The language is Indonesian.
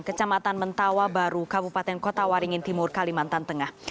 kecamatan mentawa baru kabupaten kota waringin timur kalimantan tengah